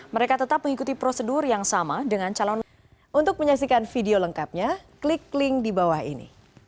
mereka tetap mengikuti prosedur yang sama dengan calon